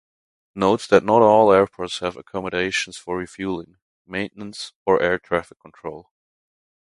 Note that not all airports have accommodations for refueling, maintenance, or air traffic control.